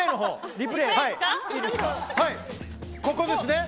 ここですね。